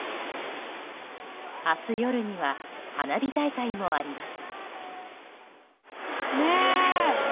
明日夜には花火大会もあります。